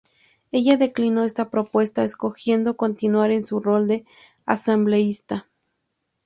Ella declinó esta propuesta, escogiendo continuar en su rol de asambleísta.